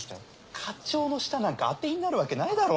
課長の舌なんか当てになるわけないだろ。